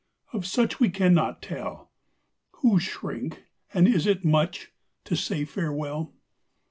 Of such We can not tell, Who shrink and is it much? To say farewell.